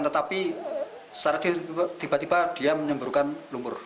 tetapi secara tiba tiba dia menyemburkan lumpur